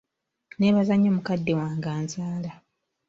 Neebaza nnyo Mukadde wange anzaala.